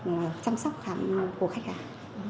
mà chăm sóc khám của khách hàng